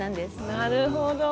なるほど。